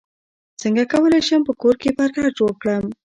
څنګه کولی شم په کور کې برګر جوړ کړم